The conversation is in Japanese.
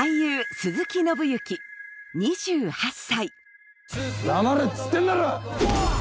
２８歳黙れっつってんだろ！